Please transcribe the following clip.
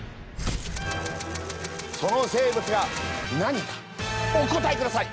その生物が何かお答えください